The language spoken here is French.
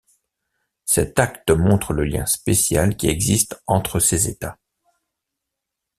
Cet acte montre le lien spécial qui existe entre ces États.